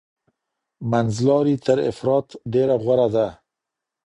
منځلاري تر افراط ډیره غوره ده.